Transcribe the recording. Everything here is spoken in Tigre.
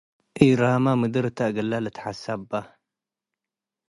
ኤራማ ምድርታ - እግ’ለ ልትሐሰበ